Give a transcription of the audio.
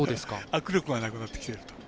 握力がなくなってきていると。